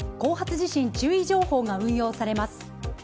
地震注意情報が運用されます。